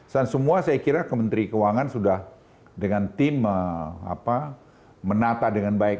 dan semua saya kira kementerian keuangan sudah dengan tim menata dengan baik